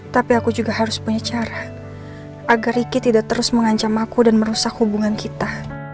tapi aku juga harus punya cara agar ricky tidak terus mengancam aku dan merusak hubungan kita